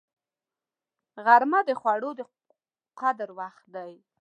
غرمه د خوړو د قدر وخت دی